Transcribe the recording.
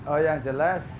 oh yang jelas